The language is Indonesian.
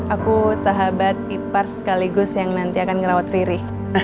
aku sahabat ipar sekaligus yang nanti akan ngerawat riri